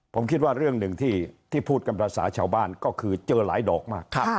ผมคิดว่าเรื่องหนึ่งที่พูดกันภาษาชาวบ้านก็คือเจอหลายดอกมาก